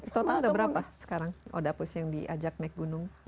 setotang ada berapa sekarang wadah pus yang diajak naik gunung